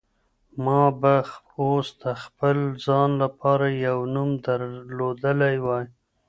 ما به اوس د خپل ځان لپاره یو نوم درلودلی وای.